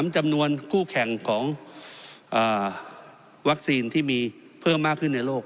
จำนวนคู่แข่งของวัคซีนที่มีเพิ่มมากขึ้นในโลก